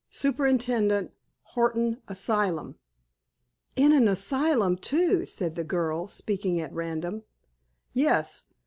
Superintendent, Horton Asylum.'"_ "In an asylum, too," said the girl, speaking at random. "Yes.